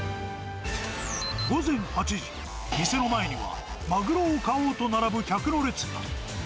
午前８時、店の前には、マグロを買おうと並ぶ客の列。